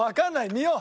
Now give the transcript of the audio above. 見よう。